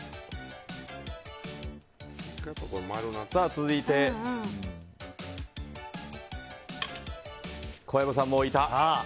続いて、小籔さんも置いた。